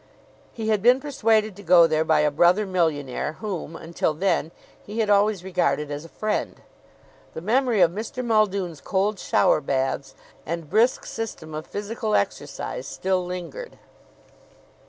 He had been persuaded to go there by a brother millionaire whom, until then, he had always regarded as a friend. The memory of Mr. Muldoon's cold shower baths and brisk system of physical exercise still lingered.